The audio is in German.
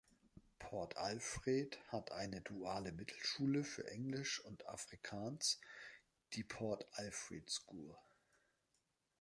Port Alfred hat eine duale Mittelschule für Englisch und Afrikaans, die Port Alfred School.